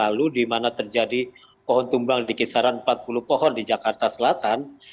lalu di mana terjadi pohon tumbang di kisaran empat puluh pohon di jakarta selatan